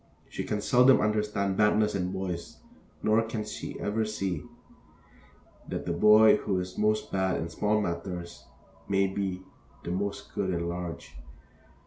She can seldom understand badness in boys, nor can ever see that the boy who is most bad in small matters may be the most good in large.